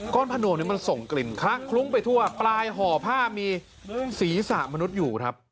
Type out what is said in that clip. ก้อนพระโนมนี้มันส่งกลิ่นคลุ้งไปทั่วปลายห่อผ้ามีศรีศะมนุษย์อยู่ครับ